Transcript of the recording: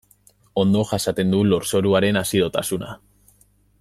Ondo jasaten du lurzoruaren azidotasuna.